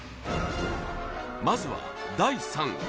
まずは第３位